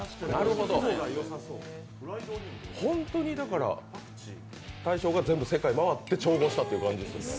本当にだから大将が世界回って調合したという感じですね。